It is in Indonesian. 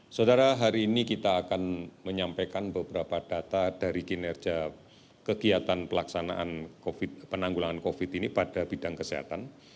saudara hari ini kita akan menyampaikan beberapa data dari kinerja kegiatan pelaksanaan penanggulangan covid ini pada bidang kesehatan